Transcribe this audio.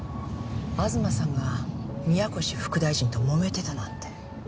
東さんが宮越副大臣ともめてたなんて。